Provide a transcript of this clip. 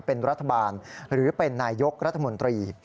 เป็นรัฐบาลหรือเป็นนายยกรัฐมนตรี